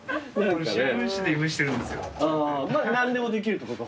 まあ何でもできるってこと？